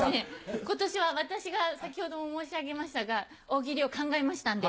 今年は私が先ほども申し上げましたが大喜利を考えましたんで。